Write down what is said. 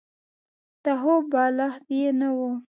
د خوب بالښت يې نه وو.